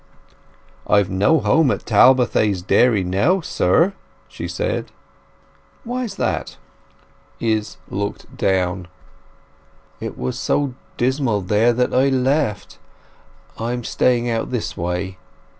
"I have no home at Talbothays Dairy now, sir," she said. "Why is that?" Izz looked down. "It was so dismal there that I left! I am staying out this way."